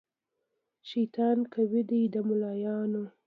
شیطان قوي دی د ملایانو